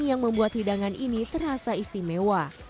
yang membuat hidangan ini terasa istimewa